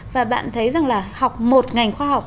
và bạn thấy rằng là học một ngành khoa học